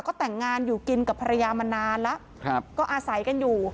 ก็แต่งงานอยู่กินกับภรรยามานานแล้วก็อาศัยกันอยู่